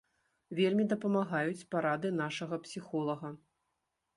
Вельмі дапамагаюць парады нашага псіхолага.